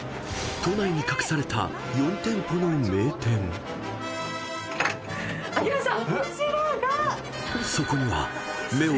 ［都内に隠された４店舗の名店］開きました！